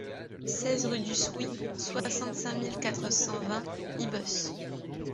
seize rue du Souy, soixante-cinq mille quatre cent vingt Ibos